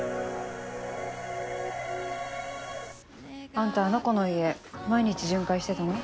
あんたあの子の家毎日巡回してたの？